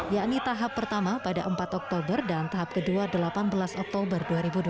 yakni tahap pertama pada empat oktober dan tahap kedua delapan belas oktober dua ribu dua puluh